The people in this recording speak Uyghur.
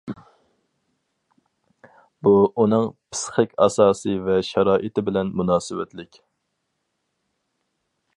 بۇ ئۇنىڭ پىسخىك ئاساسى ۋە شارائىتى بىلەن مۇناسىۋەتلىك.